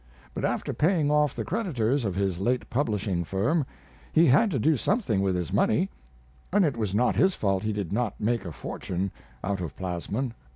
But after paying off the creditors of his late publishing firm he had to do something with his money, and it was not his fault if he did not make a fortune out of plasmon.